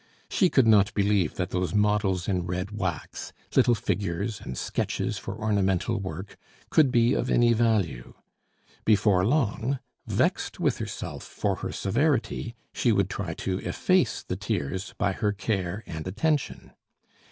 She could not believe that those models in red wax little figures and sketches for ornamental work could be of any value. Before long, vexed with herself for her severity, she would try to efface the tears by her care and attention.